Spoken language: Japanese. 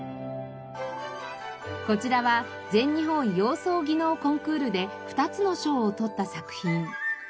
こちらは全日本洋装技能コンクールで２つの賞をとった作品。